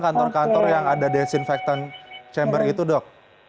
kantor kantor yang ada disinfektan chamber itu dok